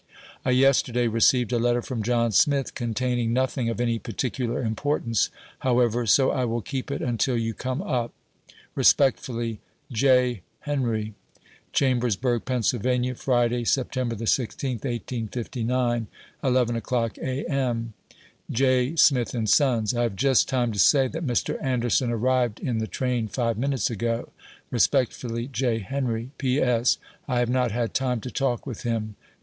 I yesterday received a letter from John Smith, containing nothing of any particular importance, however, so I will keep it until you come up. Respectfully, J. HENRIE. Chahbersbubg, Pa., Friday, Sept. 16, 1859, j 11 o'clock, A. M. 5 J. Smith ahd Soss, — I have just time to say that Mr. Anderson arrived in the train five minutes ago. Respectfully, J. HENRIE. P, S, I have not had time to talk with him, J.